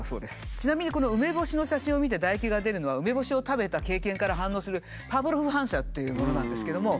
ちなみにこの梅干しの写真を見て唾液が出るのは梅干しを食べた経験から反応する「パブロフ反射」っていうものなんですけども。